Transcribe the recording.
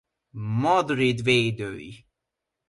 Madrid védői.